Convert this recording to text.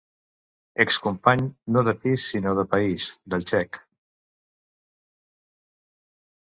Ex company no de pis sinó de país del txec.